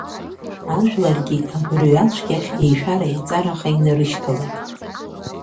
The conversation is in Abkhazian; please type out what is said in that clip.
Ажәларгьы, агәырҩацәгьахь, еишәара-еиҵараха инарышьҭалеит.